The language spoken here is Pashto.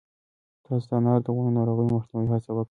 تاسو د انار د ونو د ناروغیو د مخنیوي هڅه وکړئ.